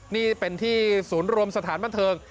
นี่เป็นที่ศูนย์รวมสถานบันเทิง